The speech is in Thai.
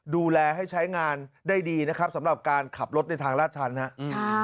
ดูแลให้ใช้งานได้ดีนะครับสำหรับการขับรถในทางลาดชันนะครับ